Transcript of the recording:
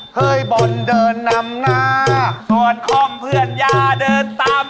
เคยบ่นเดินนำหน้าส่วนคอมเพื่อนยาเดินตาม